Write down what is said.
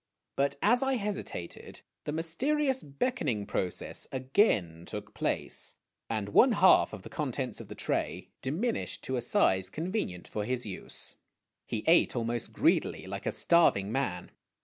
But, as I hesitated, the mysterious beckoning process again took place, and one half of the contents of the tray diminished to a size convenient for his use. He ate almost greedily, like a starving man.